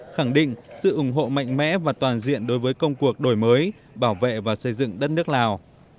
khẳng định sự ủng hộ mạnh mẽ và toàn diện đối với công cuộc đổi mới bảo vệ và xây dựng đất nước lào